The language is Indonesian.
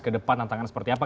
kedepan tantangan seperti apa